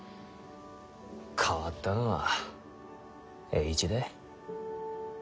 変わったのは栄一だ。